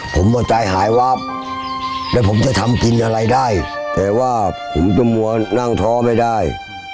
ผมว่าตายหายวาบแล้วผมจะทำกินอะไรได้แต่ว่าผมจะมัวนั่งท้อไม่ได้